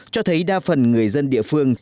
cho thấy đa phần người dân địa phương